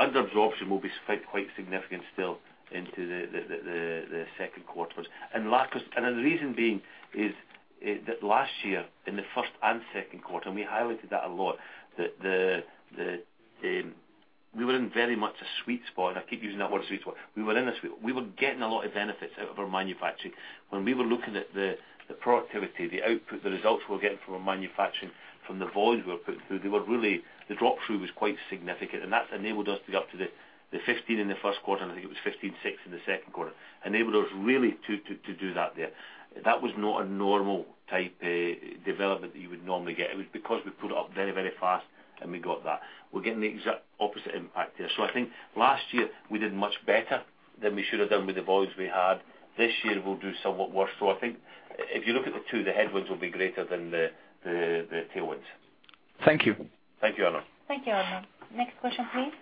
underabsorption will be quite significant still into the second quarter. And the reason being is that last year, in the first and second quarter, and we highlighted that a lot, that we were in very much a sweet spot, and I keep using that word, sweet spot. We were getting a lot of benefits out of our manufacturing. When we were looking at the productivity, the output, the results we were getting from our manufacturing, from the volumes we were putting through, they were really the drop-through was quite significant, and that enabled us to go up to the 15 in the first quarter, and I think it was 15.6 in the second quarter, enabled us really to do that there. That was not a normal type development that you would normally get. It was because we put it up very, very fast, and we got that. We're getting the exact opposite impact there. So I think last year we did much better than we should have done with the volumes we had. This year, we'll do somewhat worse. So I think if you look at the two, the headwinds will be greater than the tailwinds. Thank you. Thank you, Arnaud. Thank you, Arnaud. Next question, please.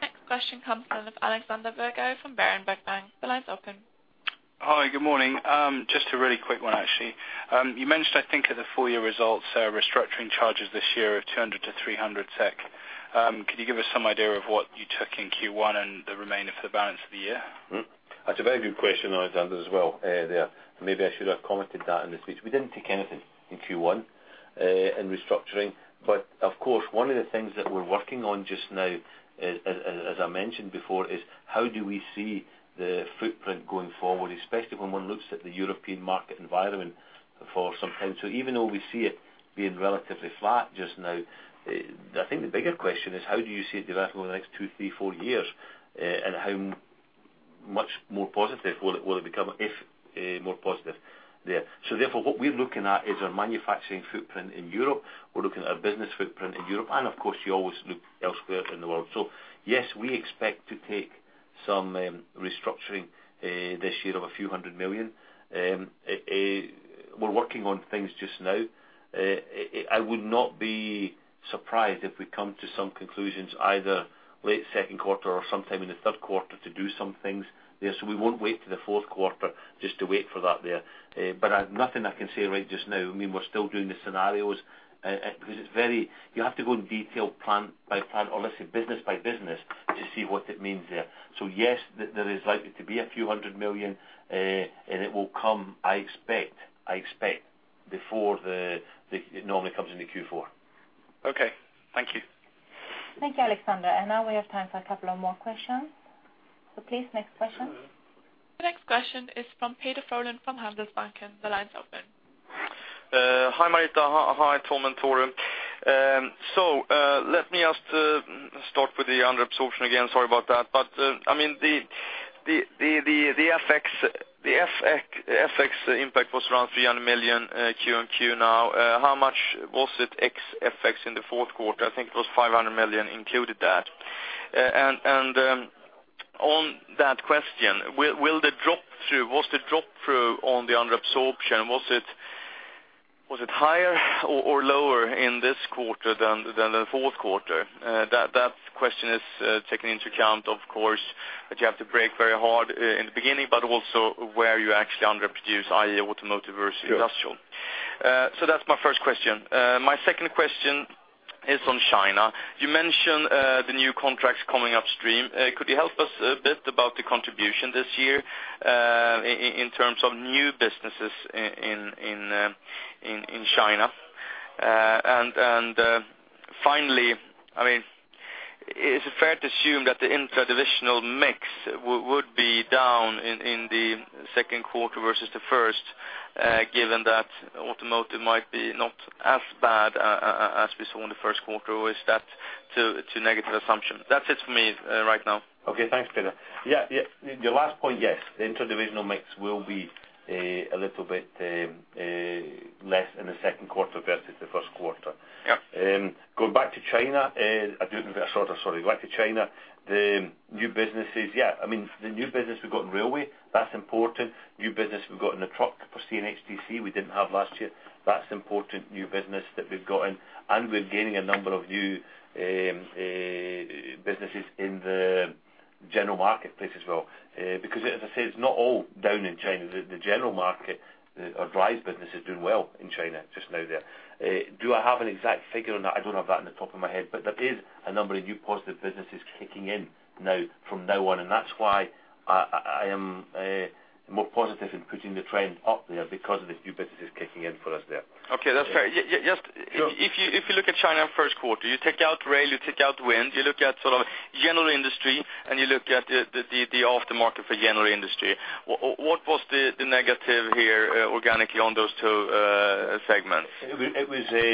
Next question comes from Alexander van den Berg from Berenberg Bank. The line's open. Hi, good morning. Just a really quick one, actually. You mentioned, I think, at the full year results, restructuring charges this year of 200-300 SEK. Could you give us some idea of what you took in Q1 and the remainder for the balance of the year? Mm-hmm. That's a very good question, Alexander, as well, there. Maybe I should have commented that in the speech. We didn't take anything in Q1 in restructuring. But of course, one of the things that we're working on just now, as I mentioned before, is how do we see the footprint going forward, especially when one looks at the European market environment for some time? So even though we see it being relatively flat just now, I think the bigger question is how do you see it developing over the next two, three, four years? And how much more positive will it become, if more positive there. So therefore, what we're looking at is our manufacturing footprint in Europe. We're looking at our business footprint in Europe, and of course, you always look elsewhere in the world. So yes, we expect to take some restructuring this year of SEK a few hundred million. We're working on things just now. I would not be surprised if we come to some conclusions either late second quarter or sometime in the third quarter to do some things. Yeah, so we won't wait till the fourth quarter just to wait for that there. But I have nothing I can say right just now. I mean, we're still doing the scenarios because it's very. You have to go in detail plan by plan, or let's say, business by business, to see what it means there. So yes, there is likely to be SEK a few hundred million, and it will come, I expect, before the. It normally comes in the Q4. Okay. Thank you. Thank you, Alexander. Now we have time for a couple of more questions. Please, next question. The next question is from Peder Frölén from Handelsbanken. The line's open. Hi, Marita. Hi, Tom and Tore. So, let me just start with the underabsorption again. Sorry about that. I mean, the FX impact was around 300 million, Q and Q now. How much was it ex FX in the fourth quarter? I think it was 500 million included there. And, on that question, will the drop-through, what's the drop-through on the underabsorption? Was it higher or lower in this quarter than the fourth quarter? That question is taking into account, of course, that you have to break very hard in the beginning, but also where you actually underproduce, i.e., automotive versus industrial. Sure. So that's my first question. My second question is on China. You mentioned the new contracts coming upstream. Could you help us a bit about the contribution this year in terms of new businesses in China? And finally, I mean, is it fair to assume that the interdivisional mix would be down in the second quarter versus the first, given that automotive might be not as bad as we saw in the first quarter, or is that too negative assumption. That's it for me right now. Okay, thanks, Peder. Yeah, yeah, the last point, yes, the interdivisional mix will be a little bit less in the second quarter versus the first quarter. Yeah. Going back to China, sorry, back to China, the new businesses, yeah. I mean, the new business we've got in railway, that's important. New business we've got in the truck for CNHTC, we didn't have last year. That's important new business that we've gotten, and we're gaining a number of new businesses in the general marketplace as well. Because as I said, it's not all down in China. The general market drives business is doing well in China just now there. Do I have an exact figure on that? I don't have that in the top of my head, but there is a number of new positive businesses kicking in now from now on, and that's why I am more positive in putting the trend up there, because of the new businesses kicking in for us there. Okay, that's fair. Sure. If you look at China first quarter, you take out rail, you take out wind, you look at sort of general industry, and you look at the off-highway market for general industry, what was the negative here, organically, on those two segments? It was, it was a...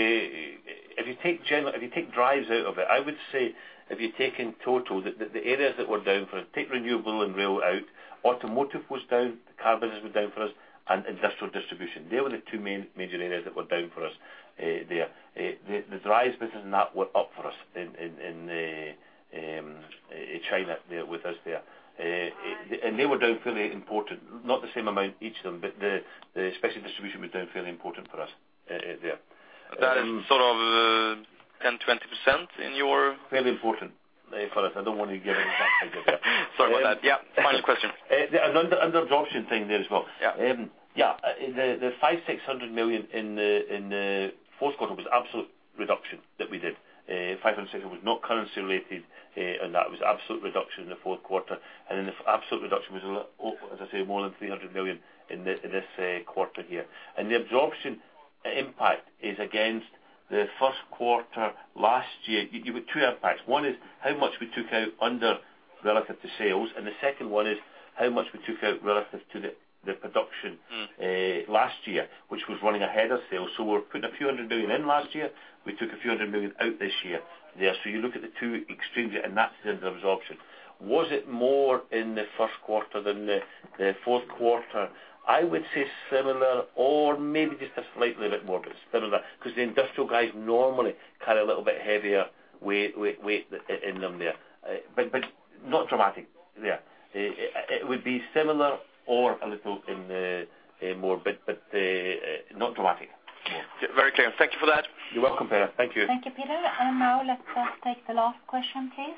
If you take general- if you take drives out of it, I would say, if you take in total, the, the areas that were down for us, take renewable and rail out, automotive was down, the car business was down for us and industrial distribution. They were the two main major areas that were down for us, there. The drives business and that were up for us in, in, in the, in China, there with us there. They were down fairly important, not the same amount, each of them, but the special distribution was down fairly important for us, there. That is sort of 10%-20% in your- Fairly important, for us. I don't want to give an exact figure. Sorry about that. Yeah. Final question. Yeah, and under absorption thing there as well. Yeah. Yeah, the 500-600 million in the fourth quarter was absolute reduction that we did. 500 million was not currency related, and that was absolute reduction in the fourth quarter. And then the absolute reduction was a lot, as I say, more than 300 million in this quarter here. And the absorption impact is against the first quarter last year. You, you've got two impacts. One is how much we took out under relative to sales, and the second one is how much we took out relative to the production. Mm. Last year, which was running ahead of sales. So we're putting SEK a few hundred million in last year. We took SEK a few hundred million out this year. Yeah. So you look at the two extremes, and that's the absorption. Was it more in the first quarter than the fourth quarter? I would say similar or maybe just a slightly bit more, but similar, because the industrial guys normally carry a little bit heavier weight in them there. But not dramatic, yeah. It would be similar or a little more, but not dramatic. Very clear. Thank you for that. You're welcome, Peder. Thank you. Thank you, Peder. Now let's take the last question, please.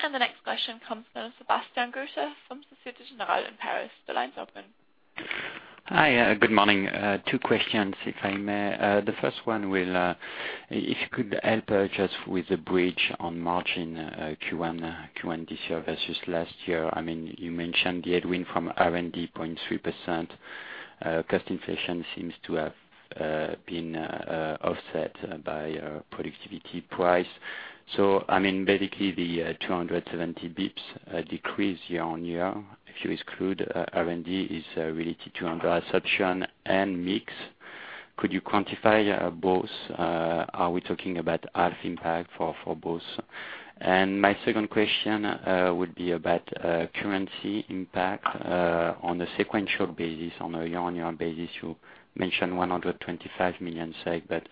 The next question comes from Sébastien Wetter from Société Générale in Paris. The line's open. Hi, good morning. Two questions, if I may. The first one will, if you could help us just with the bridge on margin, Q1 this year versus last year. I mean, you mentioned the headwind from R&D, 0.3%. Cost inflation seems to have been offset by productivity price. So, I mean, basically, the 270 basis points decrease year-on-year, if you exclude R&D, is related to under absorption and mix. Could you quantify both? Are we talking about half impact for both? And my second question would be about currency impact, on a sequential basis, on a year-on-year basis. You mentioned 125 million SEK, but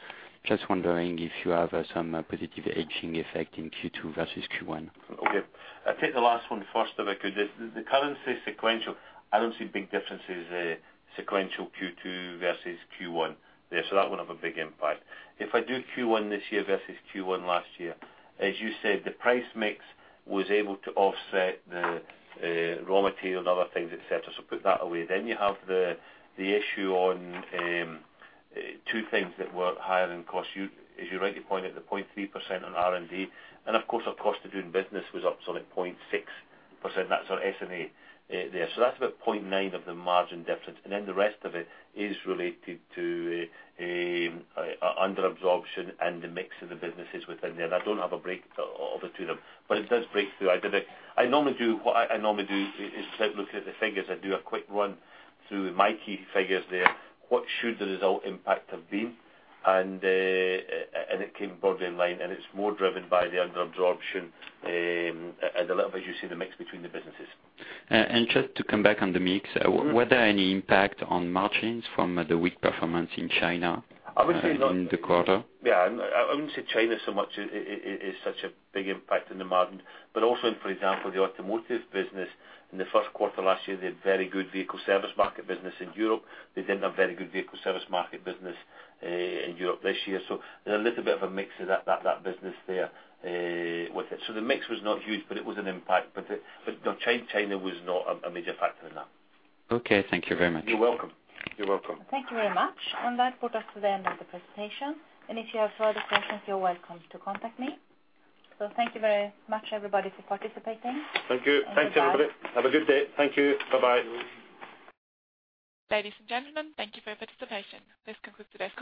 just wondering if you have some positive hedging effect in Q2 versus Q1. Okay. I'll take the last one first, if I could. The currency sequential, I don't see big differences, sequential Q2 versus Q1. Yeah, so that won't have a big impact. If I do Q1 this year versus Q1 last year, as you said, the price mix was able to offset the raw material and other things, et cetera. So put that away. Then you have the issue on two things that were higher than cost. As you rightly pointed at the 0.3% on R&D, and of course, our cost of doing business was up, so like 0.6%. That's our S&A there. So that's about 0.9 of the margin difference. And then the rest of it is related to under absorption and the mix of the businesses within there. I don't have a break of the two of them, but it does break through. What I normally do is I look at the figures. I do a quick run through my key figures there. What should the result impact have been? And it came broadly in line, and it's more driven by the under absorption, and a little, as you see, the mix between the businesses. Just to come back on the mix- Mm-hmm. Were there any impact on margins from the weak performance in China? I would say not- in the quarter? Yeah, I wouldn't say China so much is such a big impact in the margin, but also in, for example, the automotive business. In the first quarter last year, they had very good vehicle service market business in Europe. They didn't have very good vehicle service market business in Europe this year. So there's a little bit of a mix of that business there with it. So the mix was not huge, but it was an impact. But no, China was not a major factor in that. Okay, thank you very much. You're welcome. You're welcome. Thank you very much. That brought us to the end of the presentation. If you have further questions, you're welcome to contact me. Thank you very much, everybody, for participating. Thank you. Thanks, everybody. Have a good day. Thank you. Bye-bye. Ladies and gentlemen, thank you for your participation. This concludes today's-